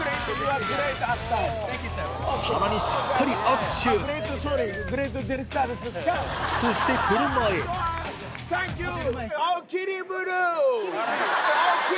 さらにしっかり握手そして車へサンキュー！